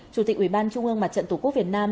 chủ tịch ủy ban trung ương mặt trận tổ quốc việt nam